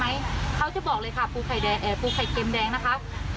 เขาจะบอกเลยค่ะปูไข่เค็มแดงนะคะ